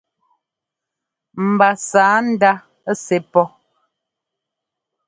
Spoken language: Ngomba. Mba sǎ ndá sɛ́ pɔ́.